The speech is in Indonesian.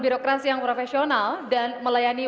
birokrasi yang profesional dan melayani